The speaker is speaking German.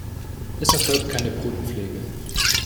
Es erfolgt keine Brutpflege.